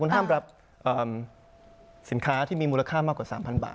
ห้ามรับสินค้าที่มีมูลค่ามากกว่า๓๐๐บาท